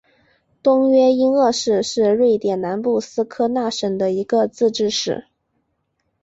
东约因厄市是瑞典南部斯科讷省的一个自治市。